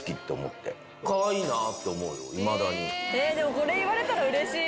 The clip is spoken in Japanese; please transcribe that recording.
これ言われたらうれしい。